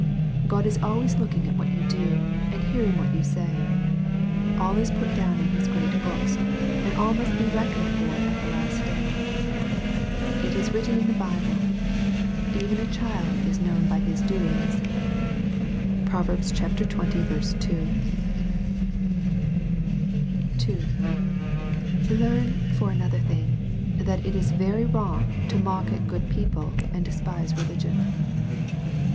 God is always looking at what you do, and hearing what you say. All is put down in His great books, and all must be reckoned for at the last day. It is written in the Bible, —" Even a child is known by his doings." (Pro. xx. 11.) (2) Learn, for another thing, that it is very wrong to mock at good people^ and despise religion.